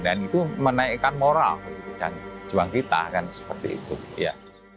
dan itu menaikkan moral juang kita